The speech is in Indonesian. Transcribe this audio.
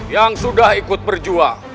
yang sudah ikut berjuang